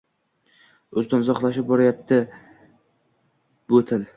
Undan uzoqlashib borayotibdi bu til.